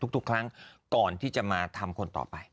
ทุกครั้งก่อนที่จะมาทำคนต่อไป